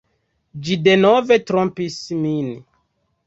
Ĝi denove trompis min.